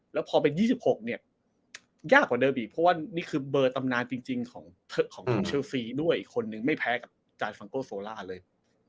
แล้วพอเป็น๒๖เนี่ยยากกว่าเดิมอีกเพราะว่านี่คือเบอร์ตำนานจริงของเชลซีด้วยอีกคนนึงไม่แพ้กับจานฟังโกโซล่าเลย